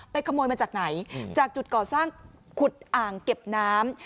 ขโมยมาจากไหนจากจุดก่อสร้างขุดอ่างเก็บน้ำ